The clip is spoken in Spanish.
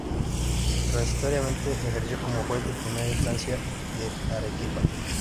Transitoriamente ejerció como juez de primera instancia de Arequipa.